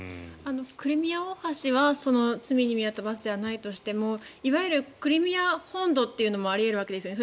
クリミア大橋は罪に見合った罰じゃないとしてもいわゆるクリミア本土というのもあるわけですよね。